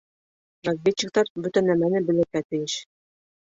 Разведчиктар бөтә нәмәне белергә тейеш!